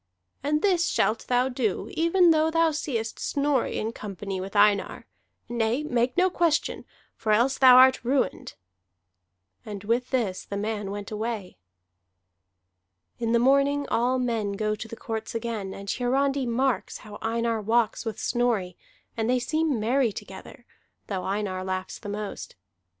"And this shalt thou do even though thou seest Snorri in company with Einar. Nay, make no question, for else thou art ruined." And with this the man went away. In the morning all men go to the courts again; and Hiarandi marks how Einar walks with Snorri, and they seem merry together, though Einar laughs the most.